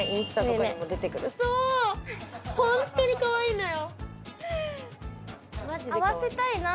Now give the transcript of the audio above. ホントにかわいいのよ。